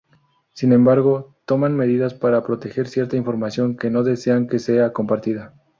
Sin embargo, toman medidas para proteger cierta información que no desean que sea compartida.